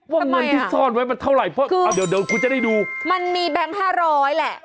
ว่าเงินที่ซ่อนไว้มันเท่าไหร่เดี๋ยวคุณจะได้ดูมันมีแบงค์๕๐๐แหละ